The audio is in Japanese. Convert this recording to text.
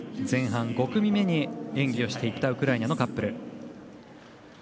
前半５組目に演技したウクライナのカップル。